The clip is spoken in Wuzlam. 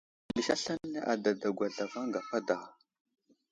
Pəlis aslane adadagwa zlavaŋ gapa daw.